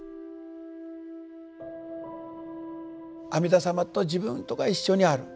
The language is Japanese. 阿弥陀様と自分とが一緒にある。